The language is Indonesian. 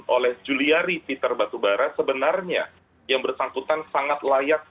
oleh juliari peter batubara sebenarnya yang bersangkutan sangat layak